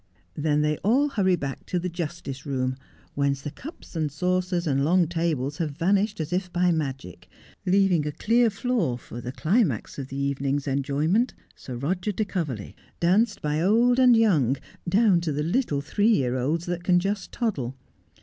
Then they all hurry back to the Justice room, whence the cups and saucers and long tables have vanished as if by magic, leaving a clear floor for the climax of the evening's enjoyment, Sir Roger de Coverley, danced by old and young, down to the little three year olds that can just toddle.